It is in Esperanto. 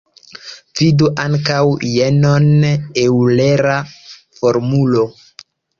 Vidu ankaŭ jenon: Eŭlera formulo.